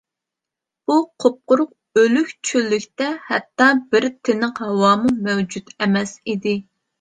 بۇ قۇپقۇرۇق ئۆلۈك چۆللۈكتە ھەتتا بىر تىنىق ھاۋامۇ مەۋجۇت ئەمەس ئىدى.